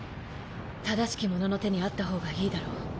正しき者の手にあった方がいいだろう。